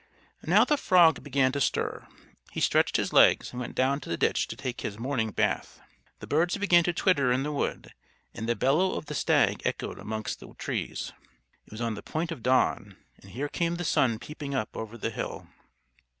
Now the frog began to stir. He stretched his legs, and went down to the ditch to take his morning bath. The birds began to twitter in the wood, and the bellow of the stag echoed amongst the trees. It was on the point of dawn, and here came the Sun peeping up over the hill.